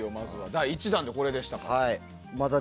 第１弾でこれでしたから。